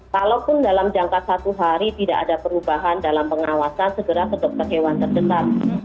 kalaupun dalam jangka satu hari tidak ada perubahan dalam pengawasan segera ke dokter hewan terdekat